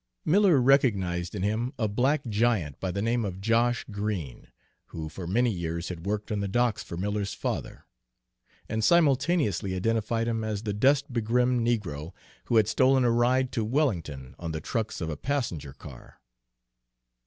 Miller recognized in him a black giant by the name of Josh Green, who for many years had worked on the docks for Miller's father, and simultaneously identified him as the dust begrimed negro who had stolen a ride to Wellington on the trucks of a passenger car.